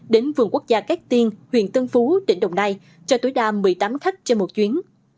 đến vườn quốc gia cát tiên huyện tân phú tỉnh đồng nai cho tối đa một mươi tám khách trên một chuyến